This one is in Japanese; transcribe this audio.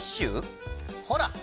ほら！